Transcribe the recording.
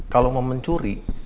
kalau mau mencuri